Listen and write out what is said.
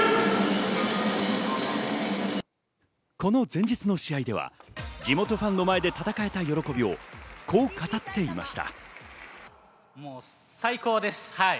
この前日の試合では地元ファンの前で戦えた喜びをこう語っていました。